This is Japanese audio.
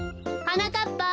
はなかっぱ